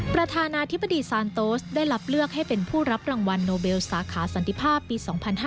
ประธานาธิบดีซานโตสได้รับเลือกให้เป็นผู้รับรางวัลโนเบลสาขาสันติภาพปี๒๕๕๙